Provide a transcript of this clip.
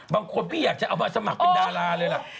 บางคนพี่อยากจะเอามาสมัครเป็นดาราเลยล่ะ